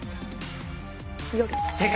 正解！